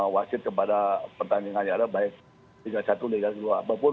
wasid kepada pertandingannya ada baik tiga puluh satu tiga puluh dua apapun